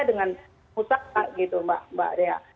dengan perusahaan mbak ria